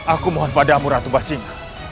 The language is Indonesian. aku mohon padamu ratu basing